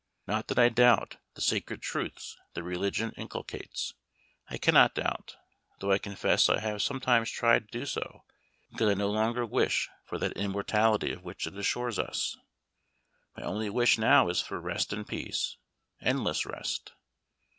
Not that I doubt the sacred truths that religion inculcates. I cannot doubt though I confess I have sometimes tried to do so, because I no longer wish for that immortality of which it assures us. My only wish now is for rest and peace endless rest.